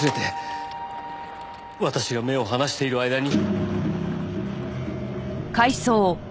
私が目を離している間に。